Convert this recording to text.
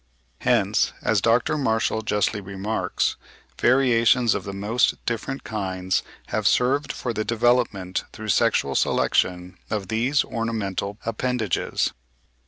Hence, as Dr. Marshall justly remarks, variations of the most different kinds have served for the development through sexual selection of these ornamental appendages.